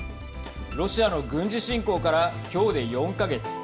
ロシアの軍事侵攻からきょうで４か月。